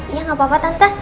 iya gak apa apa tante